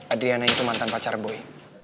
adriana itu mantan pacar bui